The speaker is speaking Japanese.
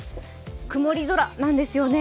曇り空なんですね。